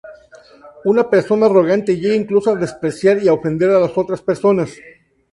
Una persona arrogante llega, incluso, a despreciar y ofender a las otras personas.